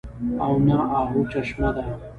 او نه اۤهو چشمه ده